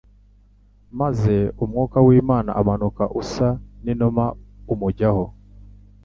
maze «Umwuka w'Imana umanuka usa n'inuma, umujyaho ».